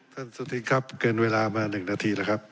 ท่านสุธิครับเกินเวลามาหนึ่งนาทีแล้วครับ